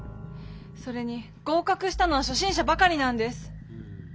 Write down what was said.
それに合かくしたのはしょ心者ばかりなんです。